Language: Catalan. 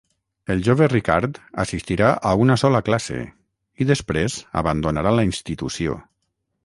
El jove Ricard assistirà a una sola classe i després abandonarà la institució.